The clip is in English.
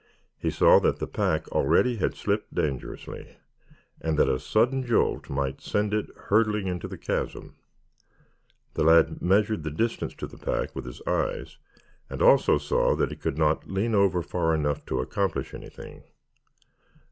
He saw that the pack already had slipped dangerously, and that a sudden jolt might send it hurtling into the chasm. The lad measured the distance to the pack, with his eyes, and also saw that he could not lean over far enough to accomplish anything.